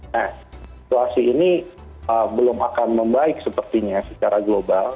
nah situasi ini belum akan membaik sepertinya secara global